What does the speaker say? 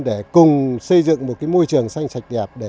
để cùng xây dựng một môi trường xanh sạch đẹp